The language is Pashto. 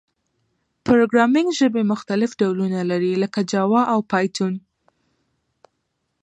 پروګرامینګ ژبي مختلف ډولونه لري، لکه جاوا او پایتون.